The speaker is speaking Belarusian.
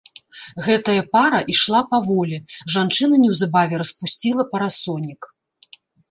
Гэтая пара ішла паволі, жанчына неўзабаве распусціла парасонік.